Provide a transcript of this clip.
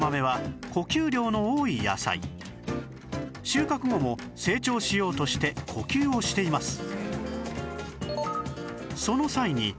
収穫後も生長しようとして呼吸をしています